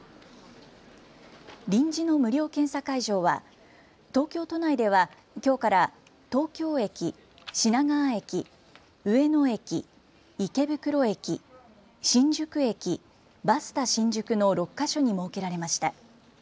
臨時の無料検査会場は東京都内ではきょうから東京駅、品川駅、上野駅、池袋駅、新宿駅、バスタ新宿の６か所に設けられました。